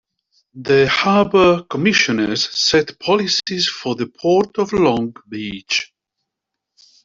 The Harbor Commissioners set policies for the Port of Long Beach.